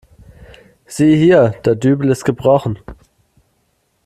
Sieh hier, der Dübel ist gebrochen.